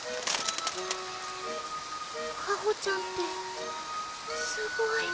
香穂ちゃんってすごい。